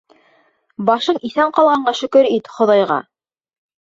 Башың иҫән ҡалғанға шөкөр ит Хоҙайға!